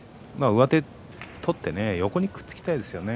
上手を取って横にくっつきたいですね。